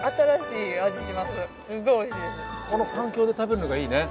この環境で食べるのがいいね。